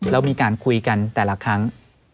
เรามีการคุยกันแต่ละครั้ง